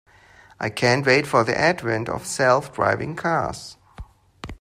I can't wait for the advent of self driving cars.